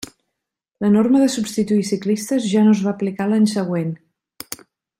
La norma de substituir ciclistes ja no es va aplicar l'any següent.